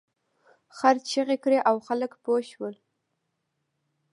خر چیغې کړې او خلک پوه شول.